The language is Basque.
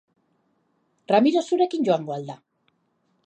Ramiro zurekin joango al da?